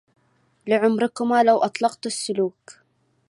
لعمركما لو أطلقت السلوك